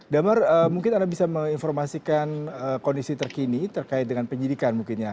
damar mungkin anda bisa menginformasikan kondisi terkini terkait dengan penyidikan mungkin ya